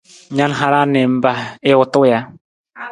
Na na hara niimpa i wutu ja?